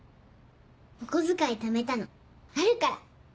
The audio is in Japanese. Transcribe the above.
お小遣いためたのあるから！